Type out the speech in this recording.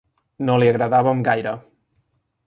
No li agradàvem gaire.